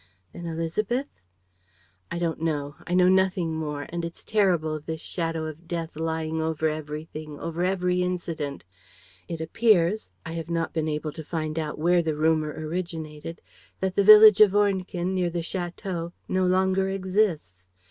"Then Élisabeth ...?" "I don't know, I know nothing more. And it's terrible, this shadow of death lying over everything, over every incident. It appears I have not been able to find out where the rumor originated that the village of Ornequin, near the château, no longer exists.